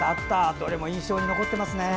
どれも印象に残ってますね。